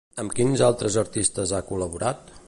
Amb quins altres artistes ha col·laborat?